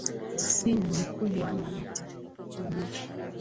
si ni kubwa na ni changamoto